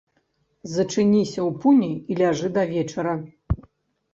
Зачыніся ў пуні і ляжы да вечара.